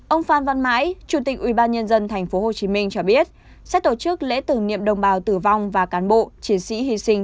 ông phan văn mãi chủ tịch ubnd tp hcm cho biết sẽ tổ chức lễ tưởng niệm đồng bào tử vong và cán bộ chiến sĩ hy sinh